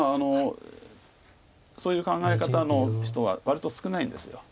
そういう考え方の人は割と少ないんです。